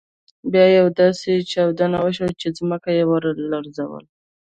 بیا یوه داسې چاودنه وشول چې ځمکه يې ولړزول.